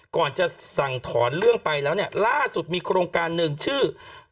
ก่อนจะสั่งถอนเรื่องไปแล้วเนี่ยล่าสุดมีโครงการหนึ่งชื่อ